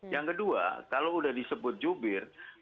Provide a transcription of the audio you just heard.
yang kedua kalau sudah disebut jubir